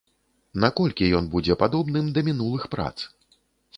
Наколькі ён будзе падобным да мінулых прац?